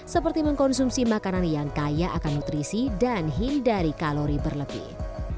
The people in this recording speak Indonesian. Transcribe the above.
seperti mengkonsumsi makanan yang kaya akan nutrisi dan hindari kalori berlebih